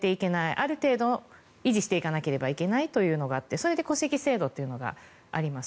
ある程度維持していかなければいけないというのがあってそれで戸籍制度というのがあります。